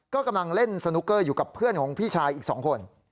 ก็กำลังเล่นสนุกเกอร์อยู่กับเพื่อนของพี่ชายอีก๒คน